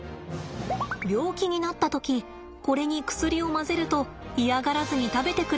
病気になった時これに薬を混ぜると嫌がらずに食べてくれるんですって。